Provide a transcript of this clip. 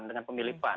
dengan pemilih pan